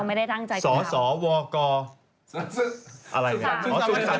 ไม่ได้ดังใจรู้จัก